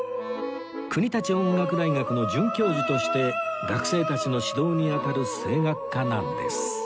国立音楽大学の准教授として学生たちの指導に当たる声楽家なんです